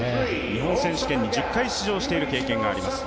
日本選手権に１０回出場している経験があります。